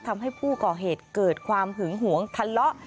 ทำให้ผู้ก่อเหตุเกิดความหึงหวงทะเลาะ